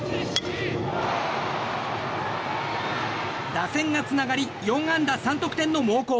打線がつながり４安打３得点の猛攻。